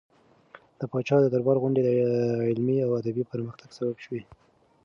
د پاچا د دربار غونډې د علمي او ادبي پرمختګ سبب شوې.